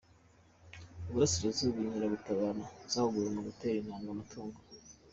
Iburasirazuba Inkeragutabara zahuguwe mu gutera intanga amatungo